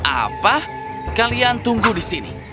apa kalian tunggu di sini